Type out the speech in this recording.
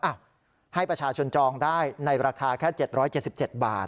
ให้ประชาชนจองได้ในราคาแค่๗๗บาท